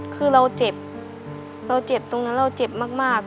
คือเราเจ็บเราเจ็บตรงนั้นเราเจ็บมาก